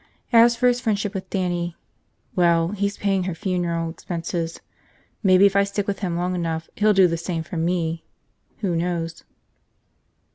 As for his friendship with Dannie Grear – well, he's paying her funeral expenses. Maybe if I stick with him long enough, he'll do the same for me, who knows?"